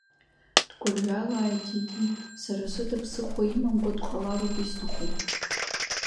Дгәырҩалааит Диди, сара сыда ԥсыхәа имамкәа дҟалароуп исҭаху!